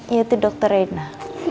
yaitu dokter rena